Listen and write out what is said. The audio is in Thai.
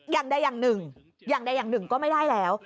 อย่างใดอย่างหนึ่งอย่างใดอย่างหนึ่งก็ไม่ได้แล้ว